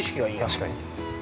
◆確かに。